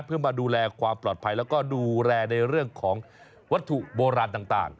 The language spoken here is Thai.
เพื่อมาดูแลความปลอดภัยแล้วก็ดูแลในเรื่องของวัตถุโบราณต่าง